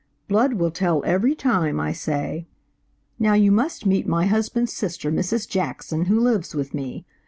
Blood will tell every time, I say. Now you must meet my husband's sister, Mrs. Jackson, who lives with me.